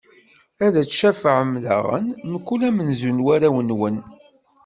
Ad d-tcafɛem daɣen mkul amenzu n warraw-nwen.